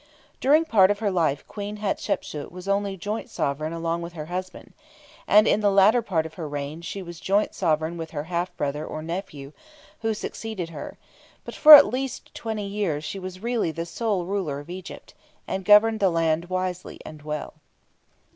During part of her life Queen Hatshepsut was only joint sovereign along with her husband, and in the latter part of her reign she was joint sovereign with her half brother or nephew, who succeeded her; but for at least twenty years she was really the sole ruler of Egypt, and governed the land wisely and well.